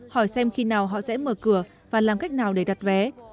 hỏi xem khi nào họ sẽ mở cửa và làm cách nào để đặt vé